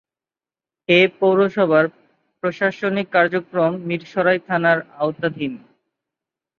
এ পৌরসভার প্রশাসনিক কার্যক্রম মীরসরাই থানার আওতাধীন।